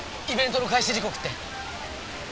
イベントの開始時刻って？